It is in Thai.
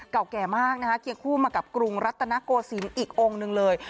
เก่าแก่มากนะคะเคียงคู่มากับกรุงรัตนโกศิลป์อีกองค์หนึ่งเลย